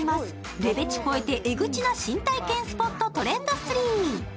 レベチ超えてエグチな新体験スポット、トレンド３！